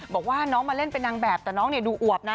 บอกว่าน้องมาเล่นเป็นนางแบบแต่น้องดูอวบนะ